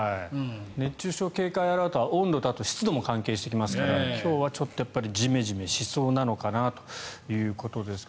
熱中症警戒アラートは温度と湿度も関係してきますから今日はちょっとジメジメしそうなのかなということです。